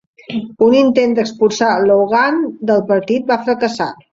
Un intent d'expulsar Loughnane del partit va fracassar.